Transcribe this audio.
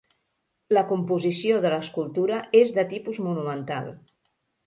La composició de l'escultura és de tipus monumental.